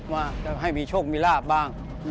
ว่าจะให้มีโชคมีลาบบ้าง